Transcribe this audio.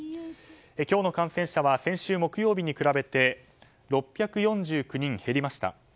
今日の感染者は先週木曜日に比べて６４９人減りました。